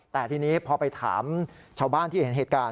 แต่ทีนี้พอไปถามชาวบ้านที่เห็นเหตุการณ์